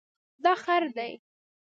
دا خړ دی